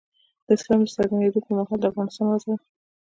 د اسلام د څرګندېدو پر مهال د افغانستان وضع وه.